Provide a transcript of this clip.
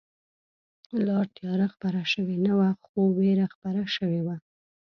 لا تیاره خپره شوې نه وه، خو وېره خپره شوې وه.